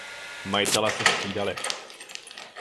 Majitelé se střídali.